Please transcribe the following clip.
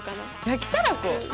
焼きたらこ？